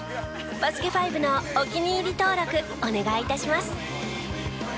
『バスケ☆ＦＩＶＥ』のお気に入り登録お願い致します。